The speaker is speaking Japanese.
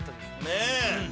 「ねえ」